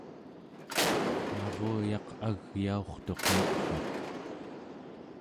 naruyaq agyaurtuq neqmek